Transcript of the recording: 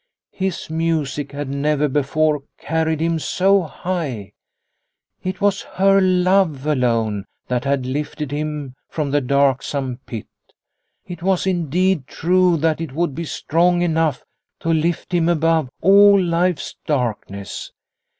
His music had never before carried him so high ; it was her love alone that had lifted him from the darksome pit. It was indeed true that it would be strong enough to lift him above all life's darkness.